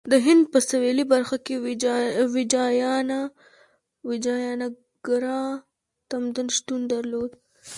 د هند په سویلي برخه کې ویجایاناګرا تمدن شتون درلود.